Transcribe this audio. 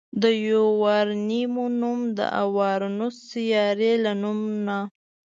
د یوارنیمو نوم د اورانوس سیارې له نامه څخه